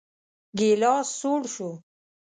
ګيلاس سوړ شو.